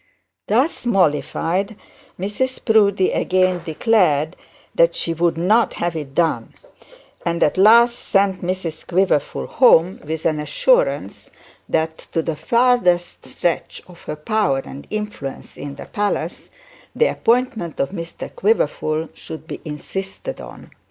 Thus mollified Mrs Proudie again declared that she 'would not have it done,' and at last sent Mrs Quiverful home with an assurance that, to the furthest stretch of her power and influence in the palace, the appointment of Mr Quiverful should be insisted upon.